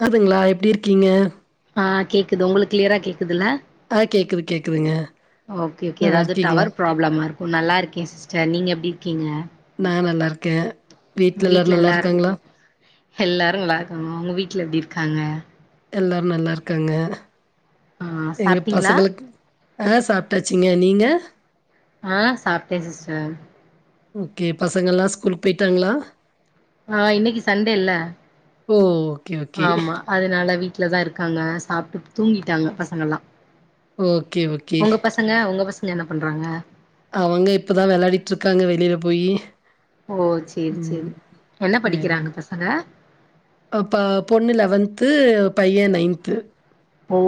கேக்குதுங்களா எப்டி இருக்கீங்க அ கேக்குது உங்களுக்கு கிளியரா கேக்குதுல்ல அ கேக்குது கேக்குதுங்க ஓகே ஓகே நல்லா ஏதாவது இருக்கீங்களா டவர் ப்ராப்ளமா இருக்கு நல்லா இருக்கே சிஸ்டர் நீங்க எப்டி இருக்கீங்க நா நல்லா இருக்கே வீட்ல எல்லாரு நல்லா இருக்காங்களா எல்லோரு நல்லாருக்காங்க ஒங்க வீட்ல எப்டி இருக்காங்க எல்லாரு நல்லா இருக்காங்க ஆ எங்க சாப்ட்டீங்களா பசங்களுக்கு அ சாப்ட்டாச்சிங்க நீங்க அ சாப்ட்டே சிஸ்டர் ஓகே பசங்கள்ல ஸ்கூலுக்கு போயிட்டாங்களா அ இன்னைக்கி சண்டே இல்லா ஓ ஓகே ஓகே ஆமா அதனால வீட்டிலா தா இருக்காங்க சாப்ட்டு தூங்கிட்டாங்க பசங்கள்லா ஓகே ஓகே பசங்க ஒங்க பசங்க என்ன பண்றாங்க அவங்க இப்ப தா விளாடிட்டுருக்காங்க வெளியில போய் ஓ செரி செரி என்ன படிக்கிறாங்க பசங்க ப பொண்ணு லெவன்த்து பையன் நைன்த்து ஓ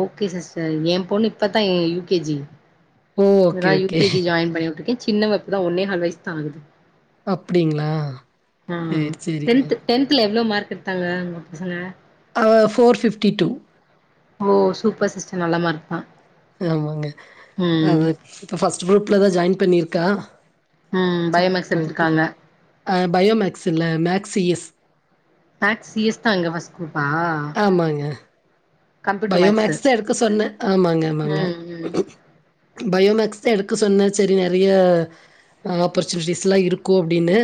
ஓகே சிஸ்டர் ஏ போண்ணு இப்பத்தா யு கே ஜி ஓ ஓகே இததான் ஓகே யுகேஜி ஜாயின் பண்ணி விட்டு இருக்கேன் சின்னவ இப்ப தா ஒன்னேஹால் வயசு தா ஆகுது அப்டிங்களா சேரி செரிங்க டென்த்தில் எவ்வளோ மார்க் எடுத்தாங்க உங்க பசங்க அ ஃபோர் ஃபிஃப்டி டூ ஓ சூப்பர் சிஸ்டர் நல்ல மார்க்தா ஆமாங்க அவ இப்ப ஃபஸ்ட் குரூப்லதா ஜாயின் பண்ணிருக்கா ம் பயோமேக்ஸ் எட்த்ருக்காங்க பயோமேக்ஸ் இல்ல maths C S maths C S தா அங்க ஃபஸ்ட் குரூப்பா ஆமாங்க கம்ப்யூட்டர் மேக்ஸு பயோமேக்ஸ் தா எடுக்க சொன்னே ஆமாங்க ஆமாங்க ம் ம் பயோமேக்ஸ் தா எடுக்க சொன்ன சரி நெறைய ஆப்பர்ச்சுனிட்டிஸ்லா இருக்கு அப்டின்னு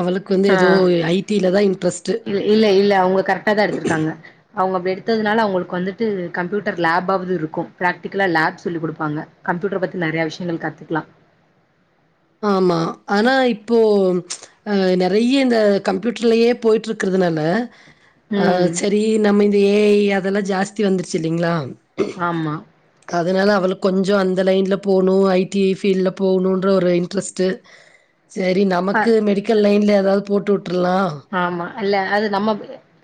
அவளுக் ஆ இல் இல்ல இல்ல அவுங்க கரெக்ட்டா தா எடுத்திருக்காங்க அவுங்க அப்டி எடுத்ததுனால அவுங்களுக்கு வந்துட்டு கம்ப்யூட்டர் லேப்பாவது இருக்கு ப்ராக்டிக்கலா லேப் சொல்லி் குடுப்பாங்க கம்ப்யூட்டர் பத்தி நெறையா விஷயங்கள் கத்துக்லா ஆமா ஆனா இப்போ அ நெறைய இந்த கம்ப்யூட்டர்லயே போய்ட்டு இருக்றதுனால அ ம் செரி நம்ம இந்த ஏ ஐ அதெல்லா ஜாஸ்தி வந்துருச்சு இல்லிங்ளா ஆம்மா அதனால அவளுக் கொஞ்சோ அந்த லைன்ல போணு ஐ டி ஐ ஃபீல்ல போகணுன்ற ஒரு இன்ட்ரெஸ்ட்டு செரி ப நமக்கு மெடிக்கல் லைன்ல ஏதாவது போட்டுட்ருலா ஆமா இல்ல அது நம்ம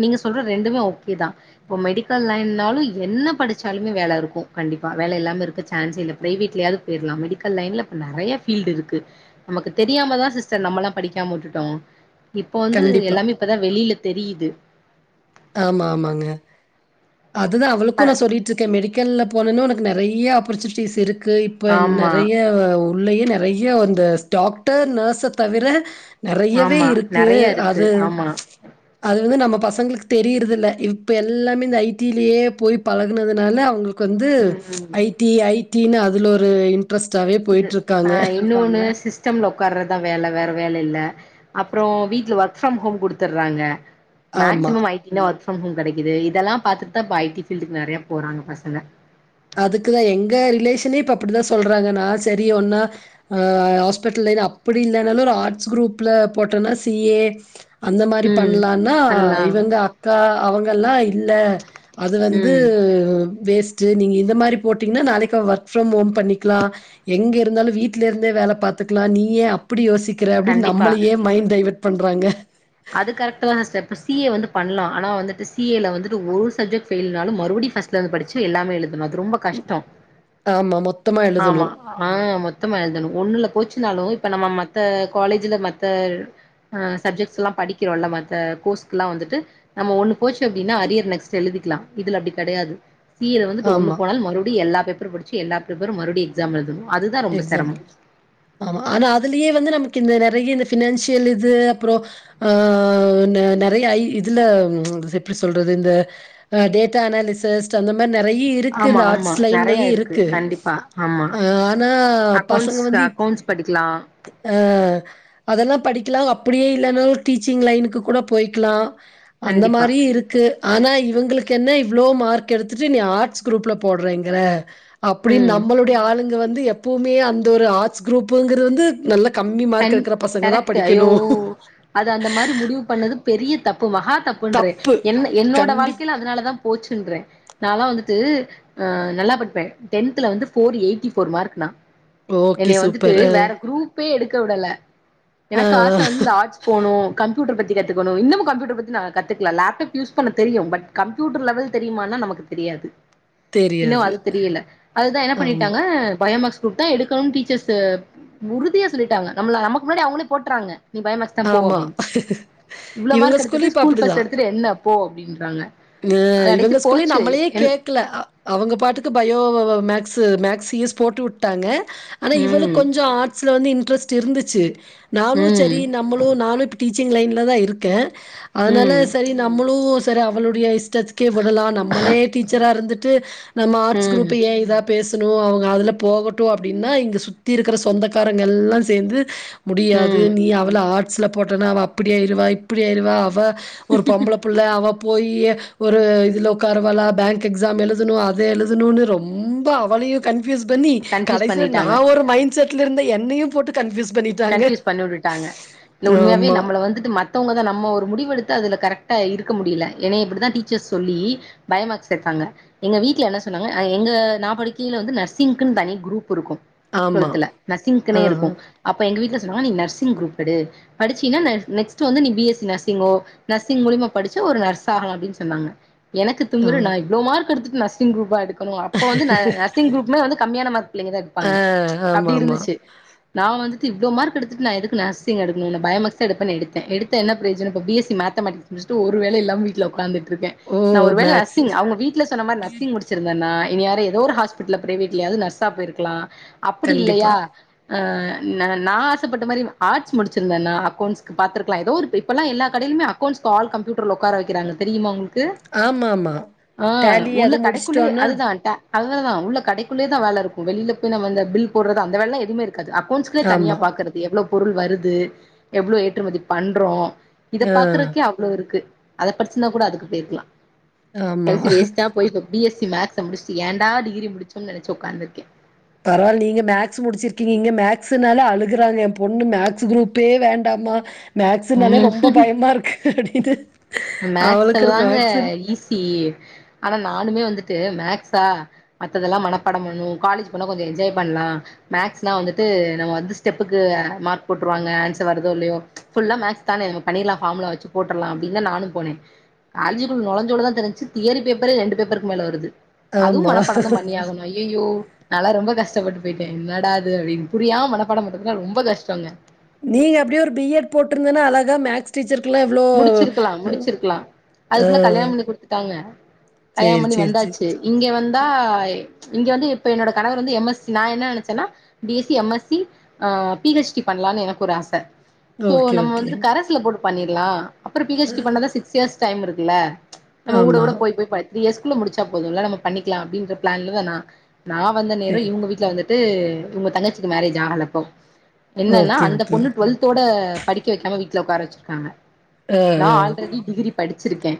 நீங்க சொல்ற ரெண்டுமே ஓக்கே தா இப்ப மெடிக்கல் லைன்னாலு என்ன படிச்சாலுமே வேல இருக்கு கண்டிப்பா வேலை இல்லாம இருக்க சான்ஸே இல்ல பிரைவேட்லாது பேர்லா மெடிக்கல் லைன்ல இப்ப நெறைய ஃபீல்டு இருக்கு நமக்கு தெரியாமதா சிஸ்டர் நம்மல்லா படிக்காம விட்டுட்டோ இப்போ வந்து கண்டிப்பா. எல்லாமே இப்பதா வெளில தெரியிது ஆமா ஆமாங்க அதுதா அவளுக்கு அ நா சொல்லிட்ருக்கே மெடிக்கல்ல போனேன்னா ஒனக்கு நெறைய ஆப்பர்ச்சுனிட்டிஸ் இருக்கு இப்ப ஆமா நெறைய உள்ளயே நெறைய அந்த டாக்டர் நர்ஸ தவிர நெறையவே ஆமா இருக்கு நெறைய இருக்கு அது ஆமா அது வந்து நம்ம பசங்களுக்கு தெரியறது இல்ல இப்ப எல்லாமே இந்த ஐ டி லேயே போய் பழகுனதுனால அவுங்ளு க்கு வந்து ம் ஐ டி ஐ டி னு அதுல ஒரு இன்ட்ரெஸ்ட்டாவே இது போயிட்டுருக்காங்க. ஆ இன்னொன்னு சிஸ்டம்ல உக்காார்றதா வேல வேற வேல இல்ல அப்றோ வீட்ல ஒர்க் ஃப்ரம் ஹோம் குடுத்துர்றாங்க ஆமா. மேக்சிம் ஐ டி னா ஒர்க் ஃப்ரம் ஹோம் கெடக்குது இதெல்லா பாத்துட்தா இப்ப ஐ டி ஃபீல்டுக்கு நெறையா போறாங்க பசங்க அதுக்குதா எங்க ரிலேஷனே இப்ப அப்டிதா சொல்றாங்க நா சரி ஒன்னா ஆ ஹாஸ்பிட்டல் லைன் அப்புடி இல்லைனாலு ஒரு ஆட்ஸ் குரூப்ல போட்டனா சி ஏ அந்த மாரி ம் பண்ணலான்னா பண்லா இவங்க அக்கா அவங்கல்லா இல்ல அது வந்து ம் வேஸ்ட்டு நீங்க இந்த மாரி போட்டிங்ன்னா நாளைக்கு அவ ஒர்க் ஃப்ரம் ஹோம் பண்ணிக்லா எங்க இருந்தாலு வீட்ல இருந்தே வேல பாத்துக்லா நீயே அ ப்புடி யோசிக்ற அப்டின் கண்டிப்பா நம்மளேயே மைண் டைவட் பண்றாங்க அது கரெக்ட்டு தான சிஸ்டர் இப்ப சி ஏ வந்து பண்ணலா ஆனா வந்துட்டு சி ஏ ல வந்துட்டு ஒரு சப்ஜெக்ட் ஃபெயில்னாலு மறுபடியு ஃபஸ்ட் லந்து படிச்சு எல்லாமே எழுதணு அது ரொம்ப கஷ்டோ ஆமா மொத்தமா எழுதணு ஆமா ஆ மொத்தமா எழுதணு ஒண்ணுல போச்சுனாலு இப்ப நம்ம மத்த காலேஜ்ஜூல மத்த ஆ சப்ஜெக்ட்ஸ்ல்லா படிக்கிறோல்ல மத்த கோர்ஸ்க்ல்லா வந்துட்டு நம்ம ஒண்ணு போச்சு அப்டின்னா அரியர் நெக்ஸ்ட் எழுதிக்லா இதுல அப்டி கெடையாது சி ஏல வந்துட்டு ஒன்னு ஆமா, போனாலு மறுப்டி எல்லா பேப்பரு படிச்சு எல்லா பேப்பரு மறுப்டி எக்ஸாம் எழுதுணு அதுதான் ரொம்ப எக்ஸாம்ல. சிரமம் ஆமா ஆனா அதுலியே வந்து நமக்கு இந்த நறைய இந்த ஃப்பினான்சியல் இது அப்றோ ஆ த நறைய ஐ இதுல எப்டி சொல்றது இந்த அ டேட்டா அனாலிசஸ் அந்த மாரி நறைய இருக்கு ஆமா இந்த ஆமா ஆர்ட்ஸ் லைன்லயே நெறைய இருக்கு கண்டிப்பா ஆமா அ ஆனா பசங்க அக்கௌண்ட்ஸ் வந்து இப் அக்கௌண்ட்ஸ் படிக்கலா அ அதெல்லா படிக்லா அப்டியே இல்லன்னாலு டீச்சிங் லைனுக்கு கூட பொய்க்லா அந்த கண்டிப்பா மாரியு இருக்கு ஆனா இவுங்களுக்கு என்ன இவ்ளோ மார்க் எடுத்துட்டு நீ என்ன ஆர்ட்ஸ் குரூப்ல போட்றேங்குற அப்டின் ம் நம்மளுடைய ஆளுங்க வந்து எப்பவுமே அந்த ஒரு ஆர்ட்ஸ் குரூப்புங்றது வந்து நல்ல கம்மி மார்க் கண் எடுக்குற பசங்க தா கரெக்ட் ஐயோ படிக்கணு அது அந்த மாரி முடிவு பண்ணது பெரிய தப்பு மகா தப்புன்ற தப்பு என்ன என்னோட கண்டிப் வாழ்க்கையில அதனாலதா போச்சுன்றறே நாலா‌ வந்துட்டு அ நல்லா படிப்பே டென்த்ல வந்து போர் எயிட்டி போர் மார்க்னா ஓகே என்னைய வந்துட்டு சூப்பர் அ வேற குரூப்பே எடுக்க விடல ஆ எனக்கு ஆச வந்து ஆட் போனுகம்யூட்ர பத்தி கத்துக்கணு இன்னமு கம்யூட்ர பத்தி நா கத்துக்லா லேப்டாப் யூஸ் பண்ண தெரியு பட் கம்ப்யூட்ரு லெவல் தெரியுமானா நமக்கு தெரியாது இன்னு தெரியாது அது தெரியல அதுதா என்ன ஆமா பண்ணிட்டாங்க பயோமேக்ஸ் தா எடுக்கணுனு டீச்சர்ஸ் உறுதியா சொல்லிட்டாங்க நம்ள நமக்கு முன்னாடி அவகவுங்களே போட்டற்றாங்க நீ பாயோமேக்ஸ்தா போ ஆமா அப்டினு இவ்ளோ இவங்க மார்க் ஸ்கூல்லயும் எடுத்துட்டு இப்ப அப்டிதா ஸ்கூல்ஃபஸ்ட்டு எடுத்துட்டு என்ன போ அப்டின்றாங்க அ கடைசி இவுங்க ஸ்கூல்லயு போச்சு நம்ளே என் கேக் க்ல அவூங்க பாட்டுக்கு பயோ மேக்ஸ் மேக்ஸியுஸ் போட்டு விட்டாங்க ஆனா இவளக் ம் கொஞ்சோ ஆர்ட்ஸ்ல வந்து இன்ட்ரெஸ்ட் இருந்துச்சு நானு ம் சரி நம்மளு நானு இப்ப டீச்சிங் லைன்ல தா இருக்கே அதனால ம் சரி நம்மளு சரி அவளுடைய ஸ்டதுக்கே விடலா நம்மளே டீச்சரா இருந்துட்டு நம்ம ஆர்ட்ஸ் ம் குரூப் ஏ இதா பேச் அவங்க அதுல போகட்டு அப்டின்னா இங்க சுத்தி இருக்குற சொந்தக்காரங்க எல்லா சேந்து முடியாது ம் நீ அவள ஆர்ட்ஸூல போட்டனா அவ அப்டி ஆய்ருவா இப்டி ஆயிருவா அவ ஒரு பொம்பள புள்ள அவ போயி ஒரு இதுல உட்கரவால பேங்க் எக்ஸாம் எழுதுணு அத எழுதுணுனு ரொம்ப ரொம்ப அவளியு கன்ஃயூஸ் பண்ணி கன்ஃபியூஸ் கடைசில நா பண்ணிட்டாங்க ஒரு மைண்ட் செட்ல இருந்தே என்னையு போட்டு கன்ஃயூஸ் பண்ணிட்டாங்க ங்க இல்ல உண்மையாவே ஆமா நம்மள வந்துட்டு மத் மத்தவங்க தா நம்ம ஒரு முடிவெடுத்த அதுல கரெக்டாக இருக்க முடில ஏன்ன இப்டி தா டீச்சர்ஸ் சொல்லி பயோமேக்ஸ் சேத்தாங்க எங்க வீட்ல என்ன சொன்னாங்க எங்க நாபடிக்கையில வந்து நர்சிங்குன் தனி குரூப் இருக்கு ஆமா டுவெல்தல நர்சிங்குனே ஆ இருக்கு அப்ப எங்க வீட்ல சொன்னாங்கா நீ நர்சிங் குரூப் எடு படிச்சீன்னா நெக்ஸ்ட் வந்து நீ பி எஸ் சி நர்சிங்கோ நர்சிங் மூலிமா படிச்சு ஒரு நர்ஸ் ஆகலா அப்டின்னு சொன்னாங்க எனக்கு ஆ திமுரு நா இவ்ளோ மார்க் எடுத்துட்டு நர்சிங் குரூப்பாலா எடுக் அப்ப வந்து நர்சிங் குரூப்னா வந்து கம்மியான மார்க் புள்ளைங்கதா ஆ எடுப்பாங்க அப்டி ஆமாமா. இருந்துச்சு நா வந்து இவ்ளோ மார்க் எடுத்துட்டு நா எதுக்கு நர்சிங் எடுக்ணு பயோ மேக்ஸ் எடுப்பேனு எடுத்தே எடுத்து என்ன பிரோஜனம் இப்ப பி எஸ் சி மேத்தமேட்டிக்ஸ் முட்சிட்டு ஒரு வேல இல்லாம வீட்ல ஒக்காந்துட்ருக்கே ஓ! நா ஒரு வேல மேக்ஸு நர்சிங் அவுங்க வீட்ல சொன்ன மாரி நர்சிங் நர்சிங் முடிச்சிருந்தனா இனி நேரோ எதோ ஒரு ஹாஸ்பிட்ல்ல பிரைவேட்லயாவது நர்ஸா பொயிருக்லா அப்டி கண்டிப்பா. இல்லையா அ நா நா ஆசப்பட்ட மாரி ஆர்ட்ஸ் முடிச்சிருந்தனா அக்கவுண்ட்ஸ்க்கு பாத்திருக்கலா எதோ ஒரு இப்பல்லா எல்லா கடையிலுமே அக்கவுண்ட்ஸ்க்கு ஆள் கம்யூட்டர்ல ஒக்கார வக்கிறாங்க தெரியமா உங்களுக்கு ஆமாமா. ஆ டேலி உள்ள அது கடைக்குள்ளயே முடிச்சுட்டோன்னா அதுதா டா அதுனாலதா உள்ள கடைக்குள்ளேதா வேல இருக்கு வெளில போய் நம்ம இந்த பில் போடுறது அந்த வேலல்லா எதுமே இருக்காது அக் க்கவுண்ட்ஸ்கே தனியா ஆமா. பாக்குறது எவ்ளோ பொருள் வருது எவ்ளோ ஏற்றுமதி பண்றோ இத ஆ பாக்கறக்கே அவ்ளோ இருக்கு அத படிச்சிருந்தா கூட அதுக்கு போயிருக்கலா ஆமா. படிச்சி வேஸ்ட்டா போயிக் பி எஸ் சி மேக்ஸ்ச முடிச்சுட்டு ஏண்டா டிகிரி முடிச்சோனு நெனச்சி உக்காந்துருக்கே பரவால் நீங்க மேக்ஸ் முடிச்சிருக்கீங்க இங்க மேக்ஸ்னால அழுகுறாங்க ஏ பொண்ணு மேக்ஸ் குரூப்பே வேண்டாம்மா மேக்ஸ்சுனாலே ம் ரொம்ப பயமா இருக்கு அப்டின்ட்டு மேக்ஸ் எல்லாங்க ஈஸி ஆனா நானுமே வந்துட்டு மேக்ஸா மத்ததெல்லா மனப்பாடம் பண்ணுவோ காலேஜ் போனா கொஞ்சொ என்ஜாய் பண்ணலா மேக்ஸ்னா வந்துட்டு நம்ம வந்து ஸ்டெப்புக்கு மார்க் போட்டுருவாங்க ஆன்சர் வருதோ இல்லையோ ஃபுல்லா மேக்ஸ் தானே நம பண்ணிரலா ஃபார்முலா வச்சு போட்டர்லா அப்டிதா நானும் போனே காலேஜ்க்குள நொழஞ்சோனதா தெரிஞ்ச்சு தியரி பேப்பரே ரெண்டு பேப்பருக்கு மேல வருது அதுவும் ஆமா. மனப்பாடந்த பண்ணியாகணு ஐயயோ நால்லா ரொம்ப கஷ்டப்பட்டு போயிட்டே என்னடாது அப்டின்னு புரியாம மனப்பாடம் பண்றதுனா ரொம்ப கஷ்டோங்க நீங்க அப்டியே ஒரு பி எட் போட்ருந்தன்னா அழகா மேக்ஸ் டீச்சருக்குல்லாம் எவ்ளோ முடிச்சிருக்கலா முடிச்சிருக்கலா அ அதுக்குள்ள கல்யாண பண்ணி குடுத்துட்டாங்க கல்யாண சரி, பண்ணி சரி, சரி. வந்தாச்சு இங்க வந்தா இங்க வந்து இப்ப என்னோட கணவர் வந்து எம் எஸ் சி நா என்ன நெனச்சேன்னா B S C M S C அ பி ஹச் டி பண்ணலான்னு எனக்கு ஒரு ஆச சோ ஓகே, நம்ம ஓகே. வந்துட்டு கரஸ்சுல போட்டு பண்ணிரலா அப்றோ பி ஆ ஹச் டி பண்ணதா சிக்ஸ் இயர்ஸ் டைம் இருக்குல்ல நம்ம ஊட ஆமா. ஊட போய் போய் ப த்ரி இயர்ஸ்க்குள்ள முடிச்சா போதுல்ல நம்ம பண்ணிக்கலா அப்டின்ற பிளான்லதா நா நா வந்த நேரோ சரி. இவுங்க வீட்ல வந்துட்டு இவுங்க தங்கச்சிக்கு மேரேஜ் ஆகல அப்போ என்னன்னா ஓகே, அந்த ஓகே. பொண்ணு டுவெல்த்தோட படிக்க வெக்காம வீட்ல ஒக்கார வச்சிருக்காங்க ஆ, நா ஆ. ஆல்ரெடி டிகிரி படிச்சிருக்கே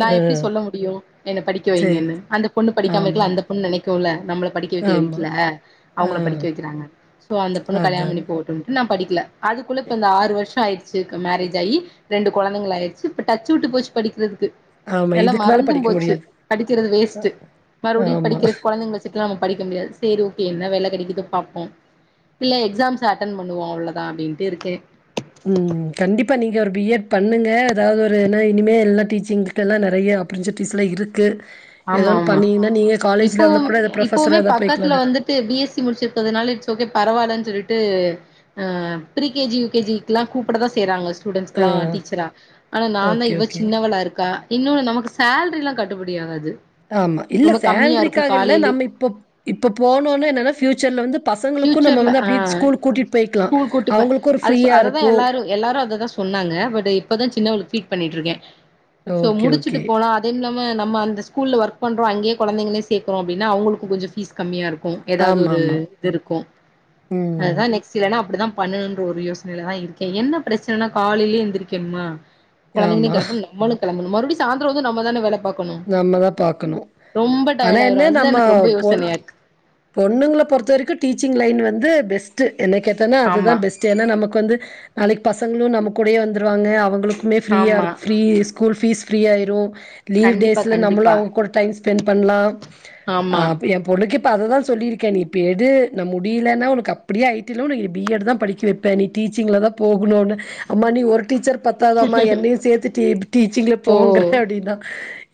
நா ஆ எப்டி சொல்ல முடியு என்ன படிக்க சரி வைங்கன்னு அந்த பொண்ணு படிக்காம ஆமா இருக்குல அந்த பொண்ணு நெனக்குல்ல நம்மள படிக்க க வைக்கல ஆமா வீட்ல ஆ அவுங்கள படிக்க வக்கிறாங்க சோ அந்த பொண்ணு கல்யாண அதான் பண்ணி போகட்டுன் நா படிக்கல அதுக்குள்ள இப்ப இந்த ஆறு வருஷொ ஆயிடுச்சு க மேரேஜ் ஆயி ரெண்டு கொழந்தைங்கலாயிடுச்சு இப்ப டச் வுட்டு போச்சு படிக்கிறதுக்கு ஆமா எல்லா இதுக்கு மேல மறந்தும் படிக்க போச்சு முடியாது படிக்கிறது அ வேஸ்ட் மறுபடியு ஆமா படிக்கிறக் கொழந்தைங்கள வச் சுட்லா நம்ம படிக்க முடியாது சரி ஓகே என்ன வேல கெடைக்குதோ பாப்போ இல்ல எக்ஸாம்ஸ் அட்டென் பண்ணுவோ அவ்ளோதா அப்டின்ட்டு இருக்கே ம் கண்டிப்பா நீங்க ஒரு பி எட் பண்ணுங்க எதாவ்து ஒரு ஏனா இனிமே எல்லா டீச்சிங் கெல்லா நெறையா ஆப்பரச்சுட்டிஸ்ஸெலா இருக்கு எதோ ஆமா ஓன்னு ஆமா பண்ணீங்கன்னா நீங்க காலேஜ் லெவல்ல கூட எதா ப்ரொஃபஸரா எதா போய்க்கலா நீங்க து பி எஸ் சி முடிச்சிருக்கிறதுனால இட்ஸ் ஓகே பரவாலன்னு சொல்லிட்டு அ pre K G U K G க்ல்லா கூப்டதா செய்யறாங்க ஆ ஸ்டூடென்ஸ்குல்லா டீச்சரா ஆனா நாந்தா ஓகே இவ ஓகே சின்னவளா இருக்கா இன்னொன்னு நமக்கு சேல்ரி எல்லா கட்டுப்படி ஆகாது ஆமா இல்ல ரொம்ப கம்மியா இருக்கு சேல்ரிக்காக இல்ல காலையிலே நம்ம இப்போ இப்போ போனோன்னா என்னன்னா ஃபயூச்சர்ல வந்து பசங்களுக்கு நம்ம ஃபியூச்சர்ல வந்து ஆ அப்டி ஸ்கூல் கூட்டிட்டு போயிக்கலா ஸ்கூல் கூட்டிப்ப அவங்களுக்கு ஒரு அது ஃப்ரீயா அததா இருக்கு எல்லாரு எல்லாரு அததா சொன்னாங்க பட் இப்பதா சின்னவளுக்கு பீட் பண்ணிட்டு இருக்கே சோ ஓகே முடிச்சுட்டு ஓகே போலா அ அதும் இல்லாம நம்ம அந்த ஸ்கூல்ல ஒர்க் பண்றோ அங்கே கொழந்தங்களயு சேர்க்குறோ அப்டினா அவங்களுக்கு கொஞ்சொ ஃபீஸ் கம்மியாருக்கு எதாவது ஆமா ஒரு ஆமா இது இருக்கு ம் அதா நெ இஸ் இல்லனா அப்டிதா பண்ணுன்ற ஒரு யோஸ்னைலதா இருக்கே என்ன ப்ரச்சனைனா காலைலே எந்துரிக்கனுமா ஆமா கொழந்தைகளயு கிளம்பனு நாம்மலு கிளம்பனு மறுவ்டி சாந்தர வந்து நம்ம தான வேல பாக்கனு நாமதா பாக்கணு ஆனா டயர்ட் ஆயிரு என்ன அதுதா நம்ம எனக்கு ரொம்ப போடு யோசனையா இருக்கு பொண்ணுங்ள பொறுத்த வரக்கு டீச்சிங் லைன் வந்து பெஸ்ட்டு என்ன கேட்டன்னா அதுதா ஆமா பெஸ் ஏன்னா நமக் வந்து நாளைக் பசங்ளு நாம கூடயே வந்துருவாங்க அவங்ளுக்குமே ஃபீரியா ஆமா இருக் ஃபீரீ கூல் ஃபீஸ் ஃப்ரீ ஆயிரு கண்டி ஸ்ல நம்மளு அவுங் கூட டைம் ஸ்பெண்ட் பண்லா அ ஆமா ஏ பொண்ணுக்கு இப்ப அததா சொல்லிருக்கே நீ இப்ப‌ எடு நா முடிய்லேனா உனக் அப்புடியே ஐட்டி இல்ல உனக்கு பிஎட் தா படிக்க வெப் நீ டீச்சிங்ல தா போகுணுன்ன அம்மா நீ ஒரு டீச்சர் பத்தாதாம்மா என்னயு சேத்து டீப் டீச்சிங்ல ஓ போங்குற அப்டின்னா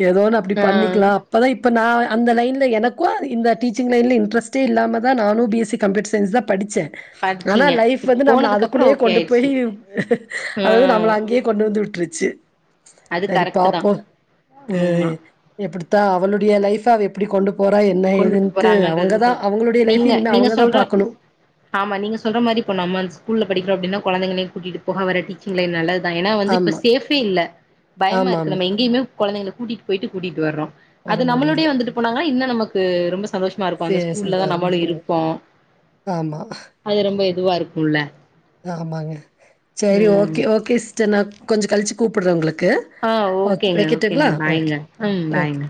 ஏதோ ஒன்னு அப்டி ஆ பண்ணிக்லா பதா இப்ப தா அந்த லைன்ல எனக்கு இந்த டீச்சிங் லைன்ல இன்டரஸ்ட்டே இல்லாம தா நானு பிஎஸ்சி கம்யூட்டர் சயின்ஸ் தா படிச்ச ஆனா படிச்சீங்க லைஃப் வந்து நம்ள போனதுக்கு அப்றோ அதுக்குள்யே ஓகே கொண்டு ஆயிடுச்சு போயி அது ஆ வந்து நம்ள அங்யே கொண்டு வந்து விட்ருச்சி அது கரெக்ட்டு தா ஆமா எப்டித்தா அவளுடைய லைஃப்ப அவ எப்டி கொண்டு போற என்ன கொண்டுட்டு ஏதுன்ட்டு அவுங்கதா போறாங்கன்றதுதா இருக்கு அவங்களுடைய லைஃப்யு நீங்க இனிமே நீங்க அவுங்கதா சொல்ற பாக்குணு ஆமா நீங்க சொல்ற மாரி இப்ப நம்ம அந் ஸ்கூல்ல படிக்கிரோ அப்டின்னா கொழந்தைகளயு கூட்டிட் போக வர டீச்சி்ங் லைன் நல்லத் தா ஏன்னா வந்து இப்ப ஆமா சேஃபே இல்ல பயமா இருக்கு ஆமாமா நம்ம எங்கியிமே கொழந்தைங்ள கூட்டிட் போய்ட்டு கூட்டிட் வர்றோ வர அது நம்முளுடயே முடியல வந்துட் போனாங்னா இன்ன நமக்கு ரொம்ப சந்தோஷ்மா இருக்கு அந்த சீரியஸ் இதா ஸ்கூல்லதா நம்மளு இருக்கு இருப்போ ஆமா அது ரொம்ப எதுவா இருக்குல்ல ஆமாங்க சரி ம் ஓகே ஓகே சிஸ்டர் நா கொஞ்ச கழ்ச்சி கூப்புட்ற உங்களுக்கு ஆ ஓகே ஓகேங்க வைக்கட்டுங்களா ஓகேங்க ஓகே பாய்ங்க ம் ஓகே பாய்ங்க